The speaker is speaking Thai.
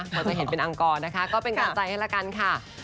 พอจะเห็นเป็นอังกรนะคะก็เป็นกำลังใจให้ละกันค่ะ